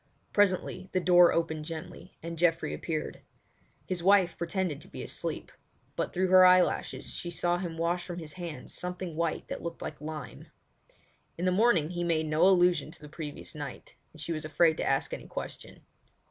Presently the door opened gently, and Geoffrey appeared. His wife pretended to be asleep; but through her eyelashes she saw him wash from his hands something white that looked like lime. In the morning he made no allusion to the previous night, and she was afraid to ask any question.